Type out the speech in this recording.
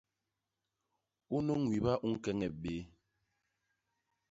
Unu wiba u ñkeñep bé.